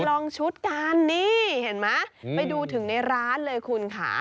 ลองชุดกันนี่เห็นไหมไปดูถึงในร้านเลยคุณค่ะ